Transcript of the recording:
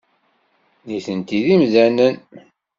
Nitenti d imdanen.